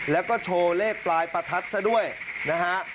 แล้วก็โชว์เลขปลายประทัดซะด้วยนะฮะ